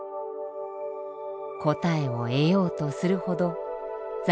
答えを得ようとするほどざわつく心。